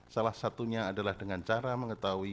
salah satunya adalah dengan cara mengetahui